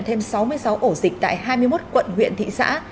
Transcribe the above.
thêm sáu mươi sáu ổ dịch tại hai mươi một quận huyện thị xã